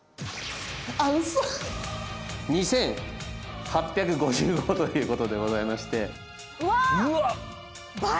嘘２８５５ということでございましてうわ倍！